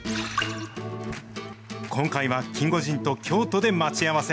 今回はキンゴジンと京都で待ち合わせ。